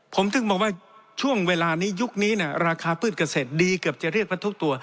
ผมถึงบอกว่าช่วงเวลานี้ยุคนี้ราคาพืชเกษตรดีเกือบจะเรียกว่าทุกตัว